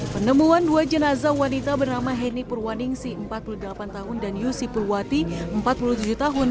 penemuan dua jenazah wanita bernama heni purwaningsi empat puluh delapan tahun dan yusi purwati empat puluh tujuh tahun